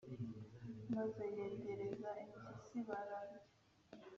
maze yegereza impyisi bararya